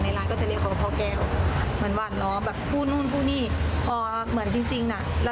ในร้านก็จะเรียกเขาว่าพ่อแก้ว